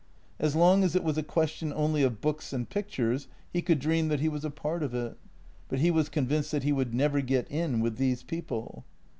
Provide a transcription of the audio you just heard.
As long as it was a question only of books and pictures, he could dream that he was a part of it, but he was convinced that he would never get in with these people.